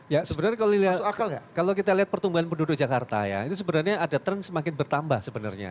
ya sebenarnya kalau dilihat kalau kita lihat pertumbuhan penduduk jakarta ya itu sebenarnya ada tren semakin bertambah sebenarnya